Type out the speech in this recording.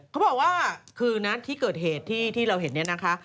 เขาบอกว่าคืนนั้นที่เกิดเหตุที่เราเห็นเนี่ยนะคะ